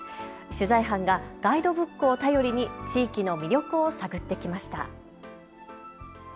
取材班がガイドブックを頼りに地域の魅力を探ってきました。